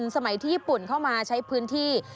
สมัยที่ญี่ปุ่นเข้ามาใช้พื้นที่